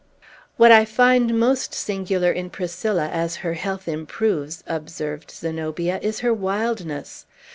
"What I find most singular in Priscilla, as her health improves," observed Zenobia, "is her wildness.